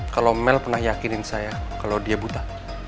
kalo mel pernah yakinin saya kalo dia buta